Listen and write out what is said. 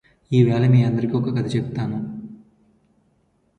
ఇవాళ మీ అందరికి ఒక కథ చెపుతాను